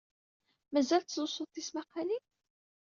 Mazal tettlusud tismaqqalin?